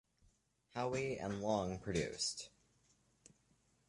Howe and Long produced.